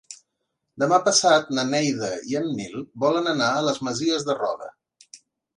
Demà passat na Neida i en Nil volen anar a les Masies de Roda.